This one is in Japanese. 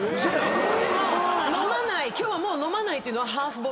でも今日はもう飲まないというのは。